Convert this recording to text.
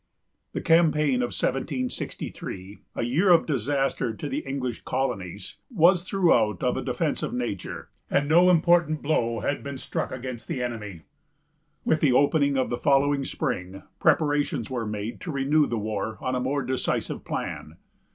The campaign of 1763, a year of disaster to the English colonies, was throughout of a defensive nature, and no important blow had been struck against the enemy. With the opening of the following spring, preparations were made to renew the war on a more decisive plan.